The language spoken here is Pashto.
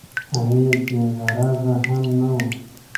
امیر بې غرضه هم نه وو.